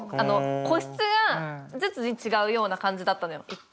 個室ずつに違うような感じだったのよ。